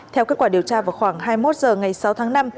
theo kết quả điều tra vào khoảng hai mươi một h ngày sáu tháng năm